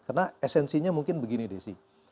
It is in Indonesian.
karena esensinya mungkin begini desi